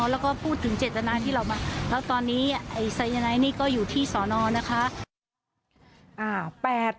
แล้วก็พูดถึงเจตนาที่เรามาแล้วตอนนี้ไซยาไนท์นี่ก็อยู่ที่สอนอนะคะ